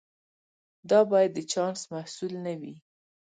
دا باید د چانس محصول نه وي.